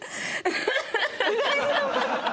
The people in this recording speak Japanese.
大丈夫？